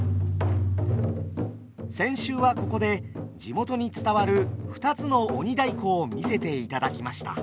先週はここで地元に伝わる２つの鬼太鼓を見せていただきました。